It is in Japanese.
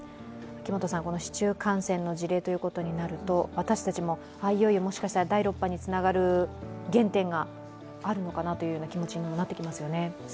市中感染の事例ということになると私たちもいよいよもしかしたら第６波につながる原点があるのかなと思いますよね。